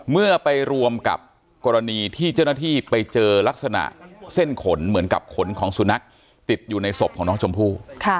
เมื่อไปรวมกับกรณีที่เจ้าหน้าที่ไปเจอลักษณะเส้นขนเหมือนกับขนของสุนัขติดอยู่ในศพของน้องชมพู่